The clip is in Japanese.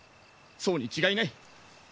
そうに違いない。